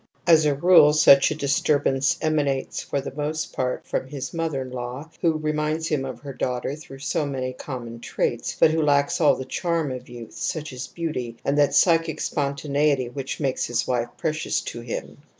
As a rule such a dis '^ turbance emanates for the most part from his mother in law who reminds him of her daughter through so many common traits but who lacks all the charm of youth, such as beauty and that psychic spontaneity which makes his wife precious to him.